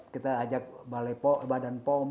kita ajak badan pom